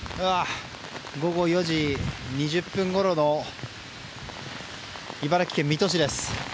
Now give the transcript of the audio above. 午後４時２０分ごろの茨城県水戸市です。